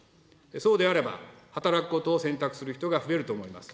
そうであれば働くことを選択する人が増えると思います。